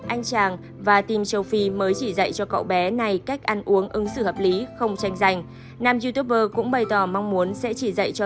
anh chàng và team châu phi mới chỉ dạy cho cậu bé này cách ăn uống ứng xử hợp lý không tranh giành